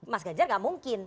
mas gajar gak mungkin